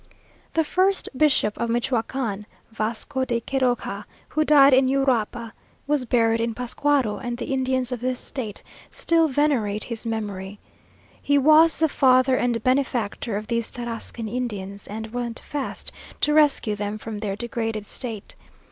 The first bishop of Michoacán, Vasco de Quiroga, who died in Uruapa, was buried in Pascuaro, and the Indians of this state still venerate his memory. He was the father and benefactor of these Tarrascan Indians, and went fast to rescue them from their degraded state.